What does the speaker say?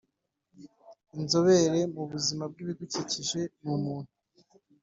Inzobere mu buzima bw ibidukikije ni umuntu